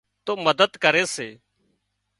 تو مدد ڪري سي